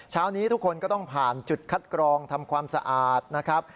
เช้านี้ทุกคนก็ต้องผ่านจุดคัดกรองทำความสะอาดนะครับ